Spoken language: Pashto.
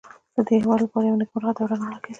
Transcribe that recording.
دا د دې هېواد لپاره یوه نېکمرغه دوره ګڼل کېده.